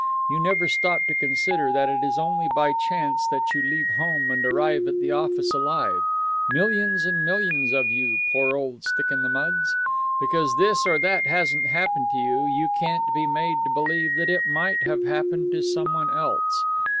You never stop to consider that it is only by chance that you leave home and arrive at the office alive millions and millions of you poor old stick in the muds! Because this or that hasn't happened to you, you can't be made to believe that it might have happened to someone else.